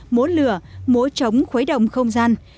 múa lửa múa trống khuấy động không gian